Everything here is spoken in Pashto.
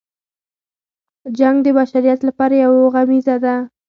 جنګ د بشریت لپاره یو غمیزه ده.